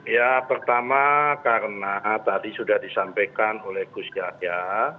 ya pertama karena tadi sudah disampaikan oleh gus yahya